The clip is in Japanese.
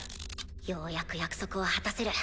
ようやく約束を果たせる。